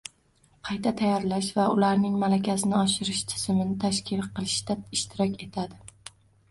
qayta tayyorlash va ularning malakasini oshirish tizimini tashkil qilishda ishtirok etadi;